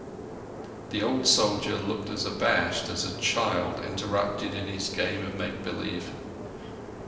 The old soldier looked as abashed as a child interrupted in his game of make believe.